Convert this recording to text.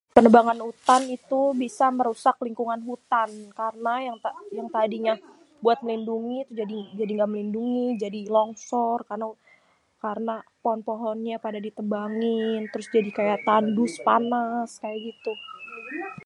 Penebangan hutan tuh bisa merusak lingkungan hutan karna yang tadinya buat melindungi jadi ga melindungi jadi longsor karena pohon-pohonnya pada ditebangin trus jadi tandus panas kaya gituh.